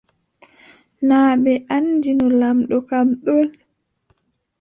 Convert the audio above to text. Naa ɓe anndino lamɗo kam ɗon.